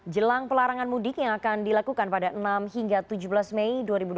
jelang pelarangan mudik yang akan dilakukan pada enam hingga tujuh belas mei dua ribu dua puluh